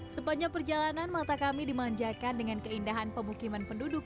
sepanjang perjalanan mata kami dimanjakan dengan keindahan pemukiman penduduk